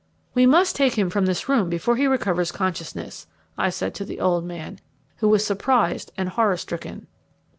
"We must take him from this room before he recovers consciousness," I said to the old man, who was surprised and horror stricken.